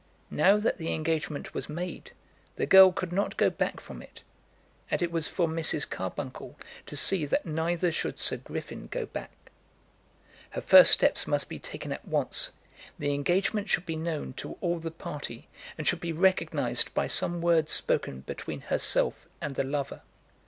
Now that the engagement was made, the girl could not go back from it, and it was for Mrs. Carbuncle to see that neither should Sir Griffin go back. Her first steps must be taken at once. The engagement should be made known to all the party, and should be recognised by some word spoken between herself and the lover.